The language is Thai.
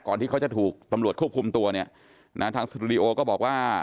ที่เขาจะถูกตำรวจควบคุมตัวเนี่ยนะทางสตูดิโอก็บอกว่า